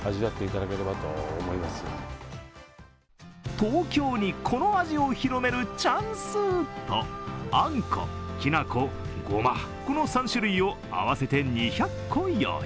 東京にこの味を広めるチャンスとあんこ、きなこ、ごま、この３種類を合わせて２００個用意。